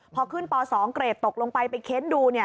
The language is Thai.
พอขึ้นป๒เกรดตกลงไปไปเค้นดู